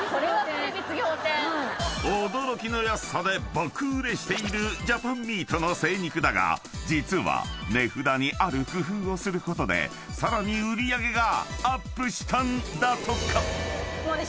［驚きの安さで爆売れしているジャパンミートの精肉だが実は値札にある工夫をすることでさらに売り上げがアップしたんだとか］